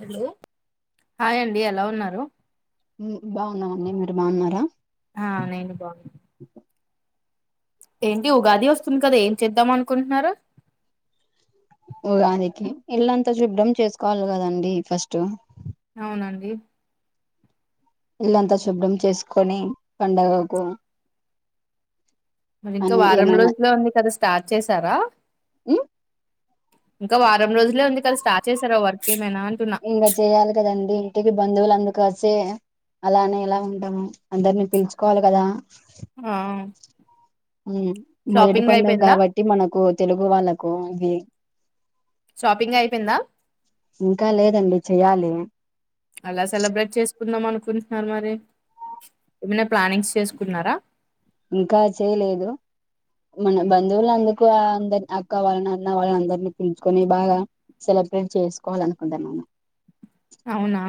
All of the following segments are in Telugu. హలో హాయ్ అండి ఎలా ఉన్నారు. ఉహ్మ్ బాగున్నావండి మీరు బాగున్నారా ఆ నేను బాగున్న ఏంటి ఉగాది వస్తుంది కదా ఏం చేద్దాం అనుకుంటున్నారు. ఉగాదికి ఇల్లంతా చూడ్డంం చేసుకోవాలి కదండి. ఫస్ట్ అవునండి ఇల్లంతా శుభ్రం చేసుకొని పండగకు మరి ఇంకా అని వారం ఏమైనా రోజుల్లో ఉంది కద. స్టార్ట్ చేసారా? ఉహ్ ఇంకా వారం రోజులే ఉంది కాద స్టార్ట్ చేశారా వర్క్. ఏమైనా అంటున్నా ఇంగా చెయాలి కదండి. ఇంటికి బంధువులు అందరూ. కాసే అలానే ఎలా ఉంటాము. అందరినీ పిలుచుకోవాలి కదా. ఆహ్ ఉ మొదటి పండగ అయిపోయిందా కాబట్టి మనకు తెలుగు వాళ్ళలకు ఇది షాపింగ్ అయిపోయిందా ఇంకా లేదండి చెయ్యాలి కుందాం అనుకుంటున్నారు మరి ఏమైనా ప్లానింగ్స్ చేసుకున్నారా ఇంకా చేయలేదు మన బంధువులు అందుకు అందరి అక్క వాళ్ళని అన్న వాళ్ళని అందరినీ పిలుచుకొని బాగా సెలబ్రేట్ చేసుకోవాల అనుకుంటాను అవునా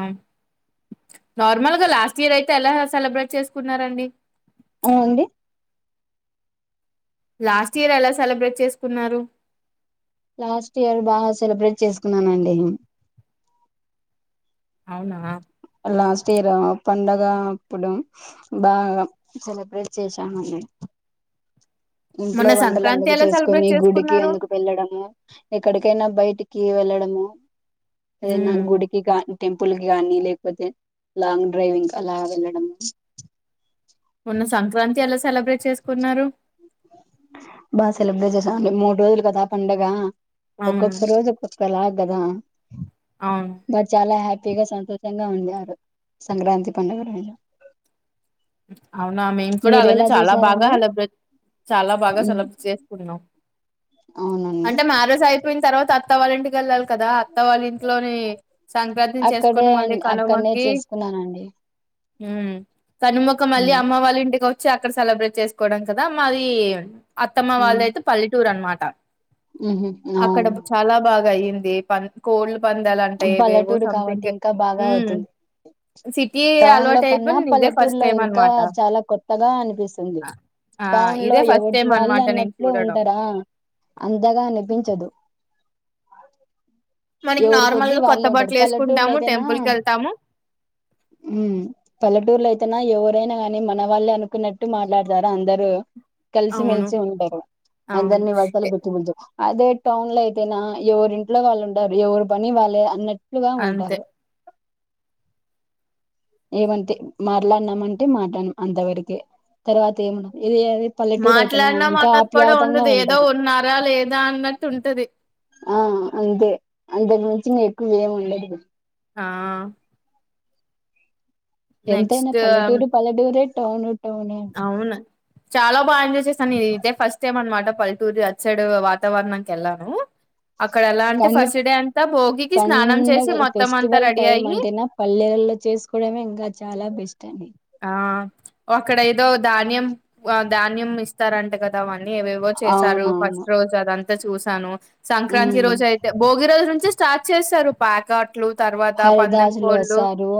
నార్మల్ గా లాస్ట్ ఇయర్ అయితే ఎలా సెలబ్రేట్ చేసుకున్నారండి ఏం అండి లాస్ట్ ఇయర్ ఎలా సెలబ్రేట్ చేసుకున్నారు లాస్ట్ ఇయర్ బాగా సెలబ్రేట్ చేసుకున్నానండి అవునా లాస్ట్ ఇయర పండగ అప్పుడు బాగా సెలబ్రేట్ చేశామండి ఇంట్లో మొన్న వంటలు సంక్రాంతి అందుకు ఎలా చేసుకొని సెలబ్రేట్ గుడికి చేసుకున్నారు ఎందుకు వెళ్ళడము ఎక్కడికైనా బయ్ టికి వెళ్ళడమో ఏదన్న ఉమ్ గుడికి కాని టెంపుల్ కి కానీ లేకపోతే లాంగ్ డ్రైవింగ్ కి అలా వెళ్ళడం మొన్న సంక్రాంతి ఎలా సెలబ్రేట్ చేసుకున్నారు బాగా సెలబ్రేట్ చేసాం అండి మూడు రోజులు కదా పండగ అవును ఒక్కొక్క రోజు ఒక్కో క్కలాగ కదా అవును బట్ చాలా హ్యాప్ గా సంతోషంగా [inaudible] సంక్రాంతి పండగ రోజు అవునా మేము కూడా అలానే మీరెలా చాలా బాగా చేశారండి హెలబ్రేట్ చాలా బాగా సెలబ్ చేసుకున్నాం అవునండి అంటే మా ఆరోజు అయిపోయిన తర్వాత్ త అత్తవాల్లింటికి వెళ్ళాలి కదా ఆత్త వాళ్ళ ఇంట్లోని సంక్రాంతిని అక్కడే చేసుకొని అం మళ్ళీ అక్కడనే కనుమకి చేసుకున్నానండి ఉ కనుమకు మళ్ళీ ఉమ్ అమ్మ వాళ్ళ ఇంటికొ చ్చి అక్కడ సెలబ్రేట్ చేసుకోవడం కదా మాది అత్తమ్మ వాళ్ళదయితే పల్లెటూరు అనమా ట ఉహు అక్కడ అవును చాలా బాగా అయ్యింది దే పం కోళ్లు పంద్యాలంట ఏవేవో పల్లెటూరు కాబట్టి సంథింగ్ ఇంకా బాగా ఊ అవుతుంది సిటీ టౌన్ అలవాటు అయిపోయి కన్నా నేను ఇదే ఫస్ట్ పల్లెటూరులో లో టైం ఇంకా అనమాట చాలా కొత్తగా అనిపిస్తుంది ఆ టౌన్ లో ఇదే ఫస్ట్ ఎవరిది టైం వాళ్ళు అనమాట నేను అన్నట్లు చూడడం ఉంటారా అందగా అనిపించదు అ మనకి నార్మల్ ఎవరికొద్దీ గా కొత్త వాళ్ళే ఉంటారు బట్టలు పల్లెటూర్లో వేసుకుంటాము అయితేనా టెంపుల్ కి వెళ్తాము పల్లెటూర్లో అయితే అనా ఎవరైనా ని మన వాళ్ళే అనుకున్నట్టు మాట్లాడతారు అందరుూ కలిసి అవును మెల్సి ఉంటారు అందరి అవును నివ అర్తల ఎ పెట్టుబద్దు అదే టౌన్ లో అయితేనా ఎవరింట్లో వాళ్ళు ఉంట ఎవరు పని వాళ్ాలి అన్నట్ ట్లుగా అంతే ఉంటారు ఏమంటే మాట్లాడిన్నా అంటే మాట్లాం అంతవరక తర్వాత ఏమండది మాట్లాడినాం అన్నది కూడా ఉండదు ఏదో ఉంటారు ఉన్నారా లేదా అన్నట్టు ఉంటది ఆ అంతే అందరి నుంచి న ఎక్కువవేమి ఉండదు ఆ ఎంతనా నెక్స్ట్ పల్లెటూరు పలెటూరు టను అవును చాలా బాగా ఎంజాయ్ చేశాను ఇదే ఫస్ట్ టైం అనమాట పల్టూరి అచ్చడు వాతవరణక ఎల్ను కానీ స్నానం పండగ చేసి మొత్తం అంతా ఫెస్టివల్ రెడీ టైమ్ అయ్యి అంటేనా పల్లెలో చేసుకోవడమే ఇంకా చాలా బెస్ట్ ండి ఆ అక్కడ ఏదో ధాన్యం ధాన్యం ఇ స్తార అంట కదా ఏవేవో చేశారు అవునవును ఫస్ట్ రోజు అదంతా అంత చూసాను సంక్రాంతి ఉమ్ రోజు అయితే భోగి రోజు నుంచి స్టార్ట్ చేశారు ప్యాకట్ అట్లు తర్వాత పన్నెండు హరిదాసులు కోళ్ళు వస్తారు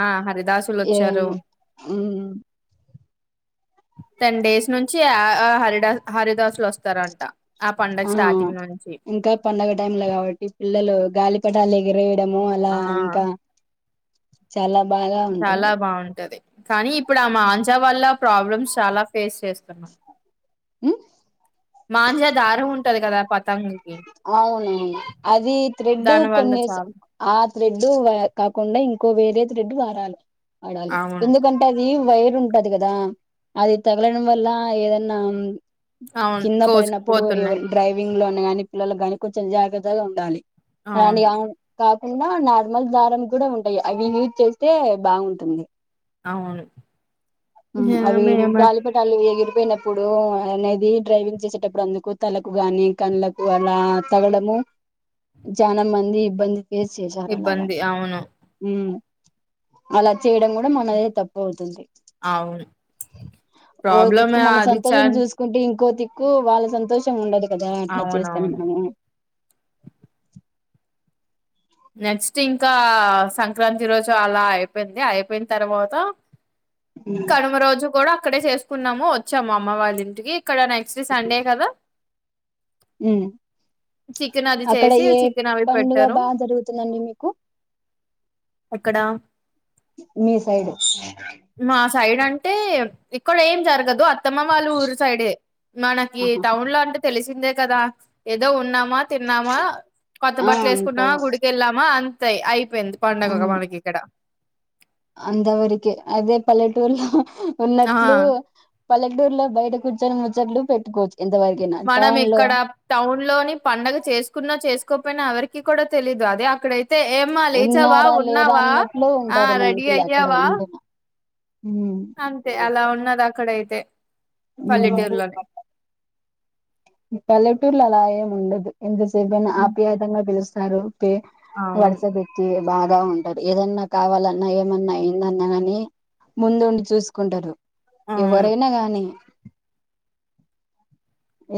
ఆ హరిదాసులు వచ్చారు అ టెన్ డేస్ నుంచి హరిదస్ హరిదాసులు వస్తారంట పండగ ఆ స్టార్టింగ్ నుంచి ఇంకా పండగ టైంలా కాబట్టి పిల్లలు గగాి పఠాల లేెగ రే ఇడము అలా ఆ ఇంకా చాలా బాగా చాలా ఉంటుంది బాగుంటది కానీ ఇప్పుడు ఆ మాంజా వల్ళ ప్రాబ్లమ్స్ చాలా ఫేస్ చేస్తున్నా ఉమ్ మాజా దార హంట ఉట్ట అదు కదా పతాం అవును అది థ్రెడ్ దాని వల్ల కొన్నిసా చాలా ఆ థ్రెడ్ కాకుండా ఇంకో వేరే త్రిడ్ వాడాలి వడాలి అవును ఎందుకంటే అవి ఊ వైరు ఉంటది కదా అది తగలడం వల్ల ఏదన్నా అవును కింద పడినప్పుడు ఎవ కోసుకుపోతున్నాయి డ్రైవింగ్ లో ఉన్న గని పిల్లలకు గానీ కొంచె జాగ్రత్తగా ఉండాలి కని అవును కాకుండా నార్మల్ దారం కూడా ఉంటాయి అవి యూజ్ చేస్తే బాగుంటుంది అవును ఆ, అవి మేమ గాలిపటాలు ఎగిరి పోయినప్పుడు అనేది డ్రైవింగ్ చేసేటప్పుడు అందుకు తలకు గాని కండ్ల కు అలా తగడము చాలా మంది ఇబ్బంది పేస్ చేశారు అలాగ ఇబ్బంది అవును హు అలా చేయడం కూడా మనదే తప్పువుతుంది అవును ప్రాబ్లమ్ ఏ అది చాన్ కో దిక్కు వాళ్ళ సంతోషం ఉండదు కదా అట్ల చెస్ కని అవునవును మనం నెక్స్ట్ ఇంకా సంక్రాంతి రోజు అలా అయిపోయింది అయిపోయిన తర్వాత కనుమ రోజు కూడా అక్కడే చేసుకున్నాము వచ్చాము అమ్మ వాళ్ళ ఇంటికి ఇక్కడ నెక్స్ట్ సండే కదా ఉ చికెన్ అది అక్కడ చేసి ఏ చికెన్ అవి పండుగ బాగా జరుగు తుందండి మీకు ఎక్కడ మీ సైడ్ మా సైడ్ అం టే ఇక్కడ ఏం జరగదు అత్తమ్మ వాళ్ళ ఊరు సైడె మనకి టౌన్ లో అంటే తెలిసిందే కదా ఏదో ఉన్నామా తిన్నామా కొత్త ఆ బట్టలు వేసుకున్నామా అంత గుడికి వెళ్ళామా అన్ తే ఐ పోఇంది పండాగ మనకి ఇక్కడ అంతావరకే అదే పల్లెటూర్లో ఆ ఉన్నట్లు పల్లక్టూరులో బయట కూర్చొని ముచ్చట్లు పెట్టుకోవచ్చు ఎంతవరకైనా మనం టౌన్ లో ఇక్కడ టౌన్ లోని పండగ చేసుకున్నా చేసుకు కపోయినా ఎవరికి కూడా తెలీదు అదే అక్కడైతే అయితే ఏమ్మా లేచావా ఉన్నారా లేరా ఉన్నావా అన్నట్లు ఆ ఉంటారు రెడీ మనుషులు అక్కడ అయ్యావా ఉండిన ఉమ్. అంతే అలా ఉన్నద్ ఆక్కడ అయితే పల్లెటూర్లోనే పల్లటూర్ల అలా ఆయయం ఉండదు ఎంతసేపుని ఆప్యాయతంగా పిలుస్తంది సారు అవును వర్సబట్టి బాగా ఉంటారు ఏదన్నా కావాలన్నా ఏమన్నా ఏందన్నా కాని ముందుండి చూసుకుంటారు అవును ఎవ్వరైనా గానీ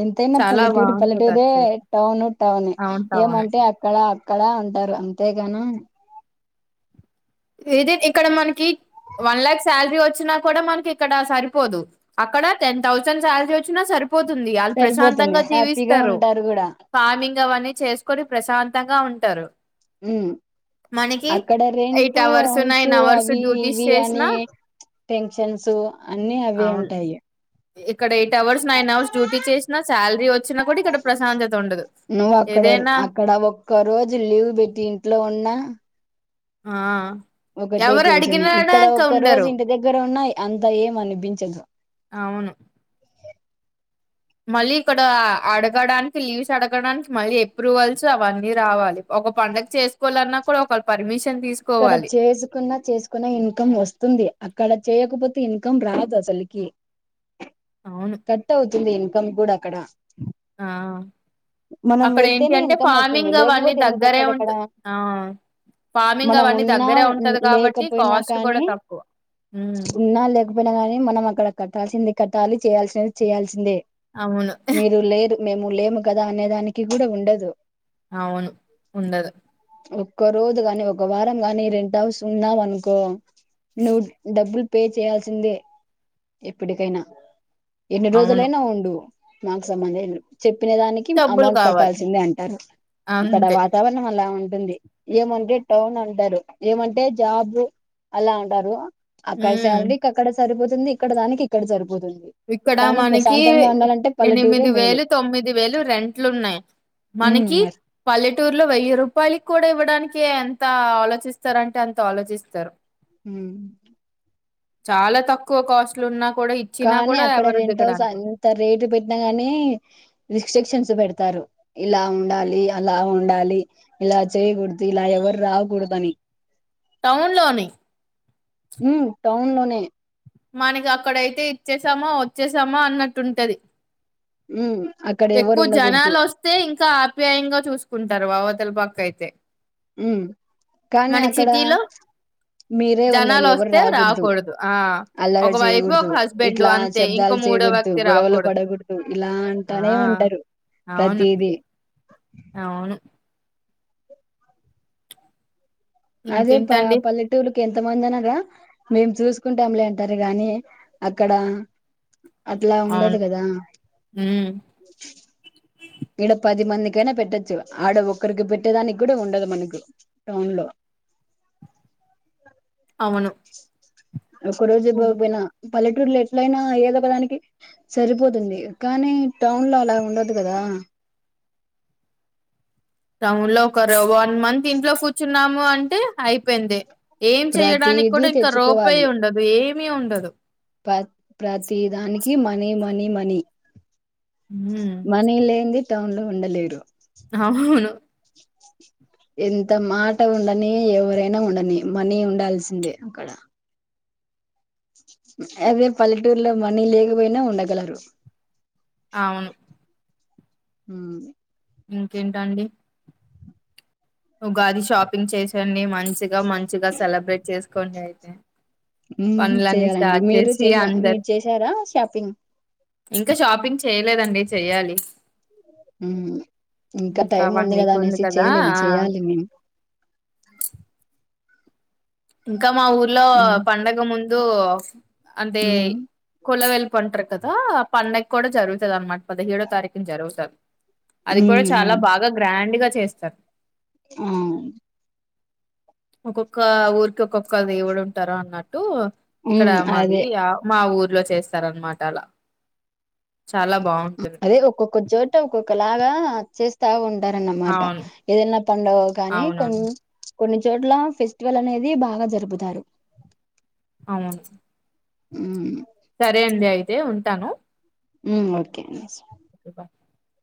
ఎంతైనా చాలా పల్లెటూరి బాగుంటది పల్లెటూర అటు సైడ్ టౌను టౌన్ అవును టౌనే ఏమంటే అక్కడ అక్కడ ఉంటారు అంతేగాన విదిన్ ఇక్కడ మనకి వన్ లలాక్ సాలరీ వచ్చినా కూడా మనకి ఇక్కడ సరిపోదు అక్కడ టెన్ థౌసండ్ సాలరీ వచ్చినా సరిపో పోతుంది వాళ్ళు సరిపోతుంది ప్రశాంతంగా హ్యాపీగా జీవిస్తారు ఉంటారు కూడా ఫార్మింగ్ అవన్నీ చేసుకొని ప్రశాంత అత్తగా ఉంటారు ఉ మనకి అక్కడ రెం eight two hours house nine hours అవి డ్యూటీస్ ఇవి చేసిన అని టెన్షన్సు అన్ని అవే అవును ఉంటాయి ఇక్కడ eight hours nine hours duty చేసినా శాలరీ వచ్చె నువ్వు అక్కడ ఏదైనా అక్కడ ఒక్క రోజు లీవ్ పెట్టి ఇంట్లో ఉన్నా ఆ ఒక డే ఎవరు టెంక్షనే ఇక్కడ అడిగినాక ఒక రోజు ఉండరు ఇంటి దగ్గర ఉన్నా అంత ఏమ్ అనిపించదు అవును మళ్ళీ ఇక్కడ అడగడానికి లీవ్స్ అడగడానికి మళ్ళీ ఎప్రూవల్స్ అవన్నీ రావాలి ఒక పండగ చేసుకోవాలన్నా ఒక పరిమిషన్ ఇక్కడ చేసుకున్న చేసుకున్న ఇన్కమ్ వస్తుంది అక్కడ చేయకపోతే ఇ అవును కట్టవుతు స్తుంది ఇన్కమ్ కూడా అక్కడ. ఆ మనం అక్కడ ఏంటి వెళ్తేనే అంటే, ఇన్కమ్ వస్తుంది ఫార్మింగ్ అవన్నీ లేకపోతే ఎందుకు దగ్గరే వస్తది అక్కడ ఉంటు, ఆ ఫ మనం ఉన్నా ఉమ్ లేకపోయినా కాస్ట్ కూడా కానీ, తక్కువ ఉమ్ ఉన్నా లేకపోయినా కానీ మనం అక్కడ కట్టాల్సిందె. కట్టాలి చేయాల్సినవి చేయాల్సిందే. అవును మీరు లేరు మేము లేము కదా అనే దానికి కూడా ఉండదు. అవును ఉండదు. క్క రోజు గాని ఒక్ ఒక వారం గాని రెంట్ హౌస్ ఉన్నావనుకో, నువ్వు డబ్బులు పే చేయాల్సిందే ఎప్పుటికైనా. ఎన్ని అవును రోజులైనా ఉండు. మాక్ సంబందే ఉండద్ చెప్ చెప్పిన దానికి డబ్బులు అమౌంట్ కావాలి కట్టాల్సిందే అంటరు. అక్కడ అంతే వాతావరణం అలా ఉన్ ఉంది, ఏమంటే టౌన్ అంటరు, ఏమంటే జాబ్. అక్కడ ఉమ్ సాలరీకి అక్కడ సరిపోతున్ తుంది, ఇక్కడ దానికి ఇక్కడ జరిపో ఇక్కడ మనకి ఉండాలంటే పల్లెటూరే ఎనిమిది మేలు వేలు, తొమ్మిది వేలు రెంట్లు ఉన్నాయి. ఉమ్ మనకి మరి పల్లెటూరులో వెయ్యి రూపాయలకి కూడా ఇవ్వట్ డానికే ఎంత ఆలోచిస్తరంటే అంత ఆలోచిస్తారు. ఉమ్ చాలా తక్కువ కాస్ట్లు ఉన్న. కూడా ఇచ్చినాక్ నీ అక్కడ రెంట్ హౌస్ అంత రేటు పెట్టినా గానీ రిస్ట్రిక్షన్స్ పెడతారు. ఇలా ఉండాలి, అలా ఉండాలి. ఇలా చేయకూడదు, ఇలా ఎవరు రాకూడదుని. టౌన్ లోని ఉ టౌన్ లోనే. మనకి అక్కడయితే ఇచ్చేసామ, వచ్చేసామా అన్నట్టుంటది. ఉమ్ అక్కడ ఎవరు ఎక్కువ ఉండకూడదు జనాలొస్తే ఇంకా ఆప్యాయంగా చూసుకుంటారు వావతల పక్క కైతే ఉమ్ కానీ అక్కడ మీరే ఉండాలి జనాలు ఎవరు వస్తే రాకూడదు, ఆ అల్లరి ఒకవైపు ఒక చేయకూడదు, హస్బెండ్ ఇట్లా అంతే ఇంకో శబ్దాలు మూడో చేయకూడదు, వ్యక్తి గొడవలు రాకూడదు. పడకూడదు ఇలా ఆ అంటనే ఉంటరు అవును ప్రతిదీ. అవును అదే పా ఇంకేంటండి పల్లెటూరు కె ఎంతమందన్న రా, మేము చూసుకుంటాంలే అంటరు గాని అక్కడ అట్లా అవును. ఉండదు కదా. హ్మ్ ఇడ పది మందికైనా పెట్టొచ్చు, ఆడ ఒక్కరికి పెట్టేదానికి కూడా ఉండదు మనకు, టౌన్ లో అవును. ఒక్క రోజు బొక్పోయిన పల్లెటూరులో ఎట్లయినా ఏదొగదానికి సరిపోతుంది కానీ టౌన్ లో అలా ఉండదు కదా టౌన్ లో ఒకరు వన్ మంత్ ఇంట్లో కూర్చున్నాము అ అంటే అయిపోయింది ఏం చెయడానికి ప్రతిదీ కూడా ఇంకా రోపాయి తెచ్చుకోవాలి ఉండదు ఏం ని ఉండదు ప్ర ప్రతిదానికి మనీ మనీ మనీ ఉమ్ మనీలేంది టౌన్ లో ఉండలేరు అవును ఎంత మాట ఉండని ఎవరైనా ఉండని మనీ ఉండాల్సిందే అక్కడ అదే పల్లెటూరులో మనీ లేకపోయినా ఉండగలరు అవును ఊ ఇంకేంటండి ఉగాది షాపింగ్ చేసెండి మంచిగా మంచిగా సెలబ్రేట్ చేసుకోండి అయితే ఉమ్ పనులన్నీ చేయాలండి స్టార్ట్ మీరు చేసి చేస అందరు మీరు చేసారా షాపింగ్ ఇంకా షాపింగ్ చేయలేదండి చెయ్యాలి ఉ ఇంకా టైం ఉంది కదా అనేసి చెయలేదు చెయాలి మేము ఇంకా మా ఊర్లో మ్మ్ పండగ ముందు [unintelligible] అంటే మ్మ్ కొలవెల్ పట్రూ కదా ఆ పన్నకూడా జరుగుతదనమాట పదహేడో తారీఖన జరువుతా అది కూడా మ్మ్ చాలా బాగా గ్రాండ్ గా చేస్తారు ఆవు ఒక్కొక్క ఊరు ఒక్కొక్క దివుడు ఉంటార అన్నట్టు ఇక్కడ మ్మ్ అదే మాది అ మా ఊరు ఊలో చేస్తారనమాట అలా చాలా బాగుంటుంది అదే ఒక్కొక్క చోట ఒక్కొక్క లాగా చేస్తా ఉం టారన్నమాట అవును ఏదనా పండవ కానీ కొం అవునవును కొన్ని చోట్ల ఫెస్టివల్ అనేది బాగా జరుపుతారు అవును ఉ సరే అండి అయితే ఉంటాను. ఊ ఓకే [unintelligible]